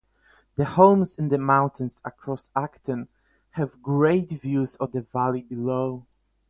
The homes in the mountains around Acton have great views of the valley below.